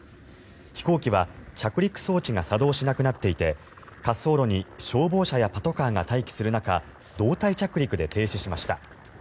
飛行機は着陸装置が作動しなくなっていて滑走路に消防車やパトカーが待機する中胴体着陸で停止しました。